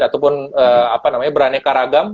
ataupun apa namanya beraneka ragam